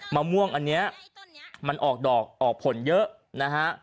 มะม่วงอันนี้มันออกดอกออกผลเยอะนะฮะ